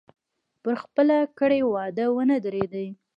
پر خپله کړې وعده ونه درېدی.